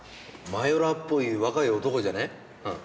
マヨラーっぽい若い男じゃねえ？